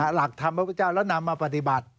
หลักธรรมพระพุทธเจ้าแล้วนำมาปฏิบัติ